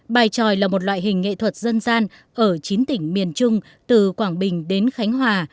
bài tròi là một loại hình nghệ thuật dân gian ở chín tỉnh miền trung từ quảng bình đến khánh hòa